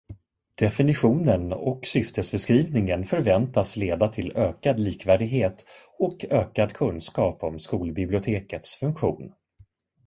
Definitionen och syftesbeskrivningen förväntas leda till ökad likvärdighet och ökad kunskap om skolbibliotekets funktion.